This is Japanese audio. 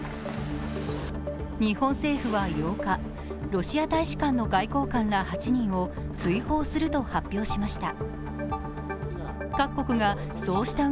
日本政府は８日ロシア大使館の外交官ら８人を追放すると発表しました。